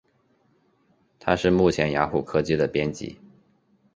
他目前是雅虎科技的编辑。